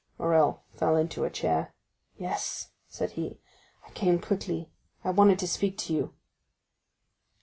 Morrel fell into a chair. "Yes," said he, "I came quickly; I wanted to speak to you."